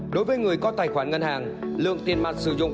đối với người có tài khoản ngân hàng lượng tiền mặt sử dụng